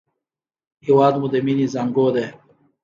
هېواد مو د مینې زانګو ده